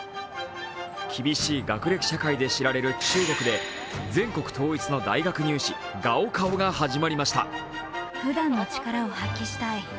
厳しい学歴社会で知られる中国で全国統一の大学入試・高考が始まりました。